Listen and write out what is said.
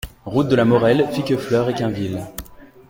Route de la Morelle, Fiquefleur-Équainville